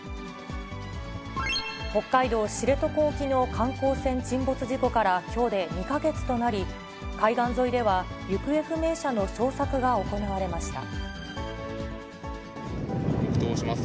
北海道知床沖の観光船沈没事故からきょうで２か月となり、海岸沿いでは行方不明者の捜索が行われました。